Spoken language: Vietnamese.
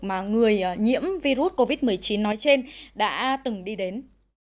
mà người nhiễm virus covid một mươi chín nói trên đã từng đi đến